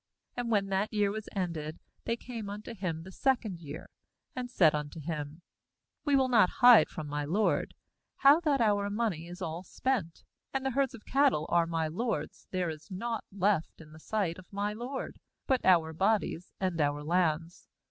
18And when that year was ended, they came unto him the second year, 59 47 18 GENESIS and said unto him: 'We will not hide from my lord, how that our money is all spent; and the herds of cattle are my lord's; there is nought left in the sight of my lord, but our bodies, and our lands.